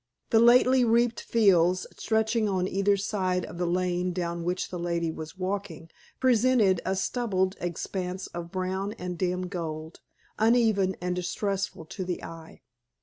The lately reaped fields, stretching on either side of the lane down which the lady was walking, presented a stubbled expanse of brown and dim gold, uneven and distressful to the eye.